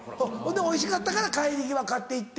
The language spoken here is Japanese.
でおいしかったから帰り際買って行って。